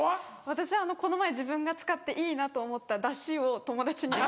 私はこの前自分が使っていいなと思った出汁を友達に。